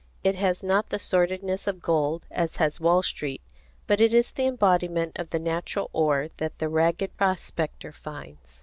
It has not the sordidness of gold, as has Wall Street, but it is the embodiment of the natural ore that the ragged prospector finds.